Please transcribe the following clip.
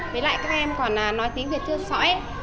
với lại các em còn nói tiếng việt chưa sõi